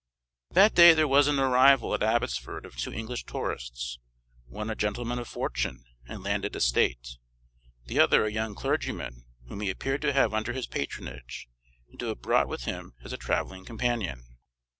That day there was an arrival at Abbotsford of two English tourists; one a gentleman of fortune and landed estate, the other a young clergyman whom he appeared to have under his patronage, and to have brought with him as a travelling companion.